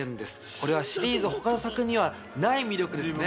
これはシリーズ他の作品にはない魅力ですね。